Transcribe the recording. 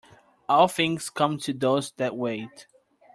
All things come to those that wait.